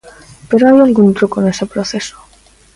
Pero hai algún truco nese proceso.